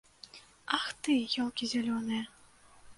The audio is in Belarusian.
Ах ты, ёлкі зялёныя.